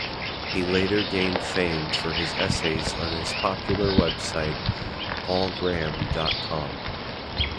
He later gained fame for his essays on his popular website paulgraham dot com.